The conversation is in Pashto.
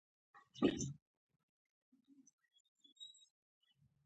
زه چای څښم.